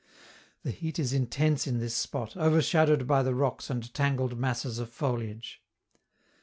The heat is intense in this spot, overshadowed by the rocks and tangled masses of foliage.